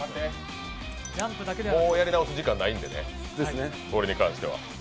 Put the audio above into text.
もうやり直す時間ないんでね、これに関しては。